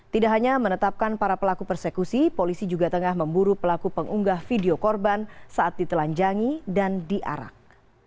tidak hanya menetapkan para pelaku persekusi polisi juga tengah memburu pelaku pengunggah video korban saat ditelanjangi dan diarak